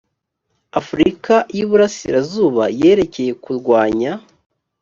afurika y iburasirazuba yerekeye kurwanya